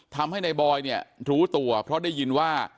ทำให้นายบอยเนี่ยรู้ตัวเพราะได้ยินว่า